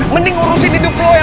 mending urusin hidup lo ya